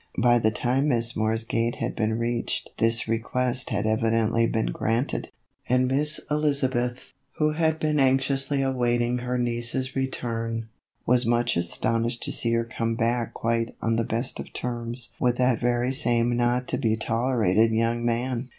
By the time Miss Moore's gate had been reached this request had evidently been granted, and Miss Elizabeth, who had been anxiously awaiting her niece's return, was much astonished to see her come back quite on the best of terms with that very same not to be tolerated young man.